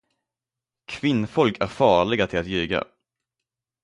Kvinnfolk är farliga till att ljuga.